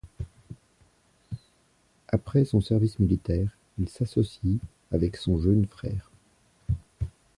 Après son service militaire il s'associe avec son jeune frère.